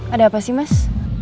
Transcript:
ada apa sih mas